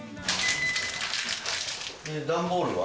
段ボールは？